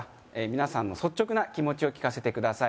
皆さんの率直な気持ちを聞かせてください